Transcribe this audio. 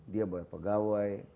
dia bayar pegawai